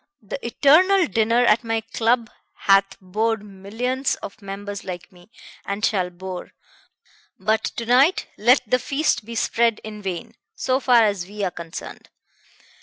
The eternal dinner at my club hath bored millions of members like me, and shall bore; but to night let the feast be spread in vain, so far as we are concerned.